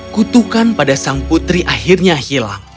kutukan pada sang putri akhirnya hilang